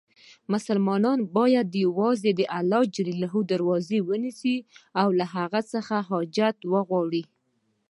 مسلمان باید یووازې د الله دروازه ونیسي، او له هغه هر حاجت وغواړي.